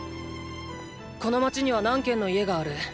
この街には何軒の家がある？